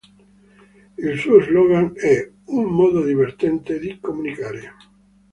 Il suo slogan è "Un modo divertente di comunicare".